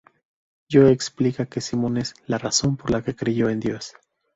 Joe explica que Simon es "la razón por la que creyó en Dios".